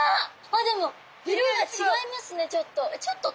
あっでも色が違いますねちょっと。